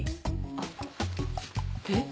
あっ。えっ？